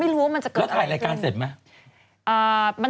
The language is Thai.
แล้วถ่ายรายการเสร็จมั้ย